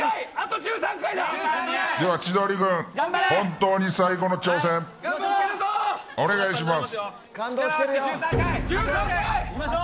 では千鳥軍本当に最後の挑戦お願いします。